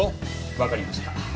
わかりました。